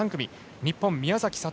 日本、宮崎哲。